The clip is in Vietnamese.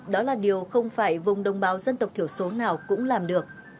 đó là điều không phải vùng đồng bào dân tộc thiểu số nào cũng làm được